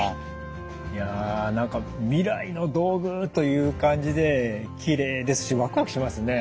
いや何か未来の道具という感じできれいですしワクワクしますね。